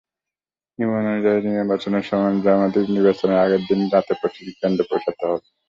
নিয়ম অনুযায়ী নির্বাচনী সরঞ্জামাদি নির্বাচনের আগের দিন রাতেই প্রতিটি কেন্দ্রে পৌঁছাতে হবে।